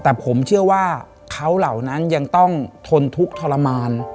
แต่ผมเชื่อว่าเขาเหล่านั้นยังต้องทนทุกข์ทรมาน